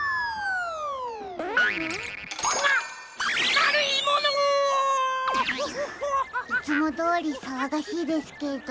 まるいもの！いつもどおりさわがしいですけど。